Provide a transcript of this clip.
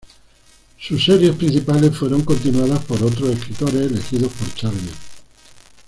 Sus series principales fueron continuadas por otros escritores, elegidos por Charlier.